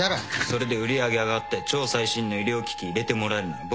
それで売り上げ上がって超最新の医療機器入れてもらえるなら僕は大歓迎です。